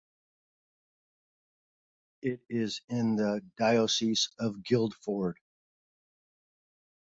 It is in the Diocese of Guildford.